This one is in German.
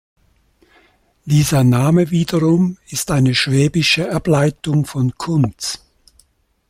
Dieser Name wiederum ist eine schwäbische Ableitung von Kunz.